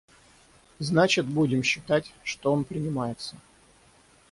Значит, будем считать, что он принимается.